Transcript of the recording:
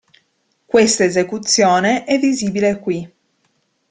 Questa esecuzione è visibile qui.